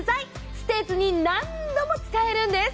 捨てずに何度も使えるんです。